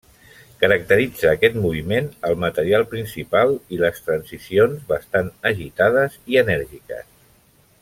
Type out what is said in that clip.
Caracteritza aquest moviment el material principal i les transicions bastant agitades i enèrgiques.